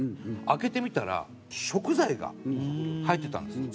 開けてみたら食材が入ってたんですね。